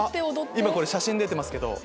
今写真出てます。